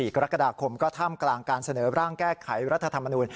๒๓๒๔กรกฎาคมก็ถ้ำกลางการเสนอร่างแก้ไขร่รัฐธรรมนูล